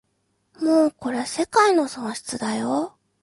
もうこれ世界の損失だよ